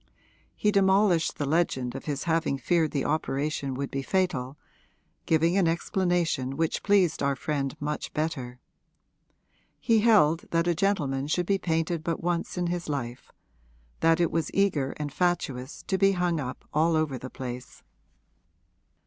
He demolished the legend of his having feared the operation would be fatal, giving an explanation which pleased our friend much better. He held that a gentleman should be painted but once in his life that it was eager and fatuous to be hung up all over the place.